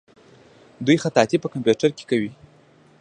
دوی خطاطي په کمپیوټر کې کوي.